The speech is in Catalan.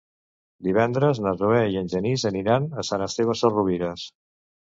Divendres na Zoè i en Genís aniran a Sant Esteve Sesrovires.